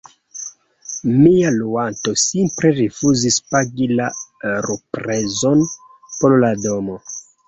mia luanto simple rifuzis pagi la luprezon por la domo